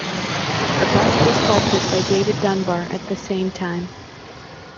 A bust was sculpted by David Dunbar at the same time.